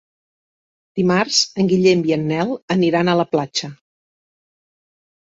Dimarts en Guillem i en Nel aniran a la platja.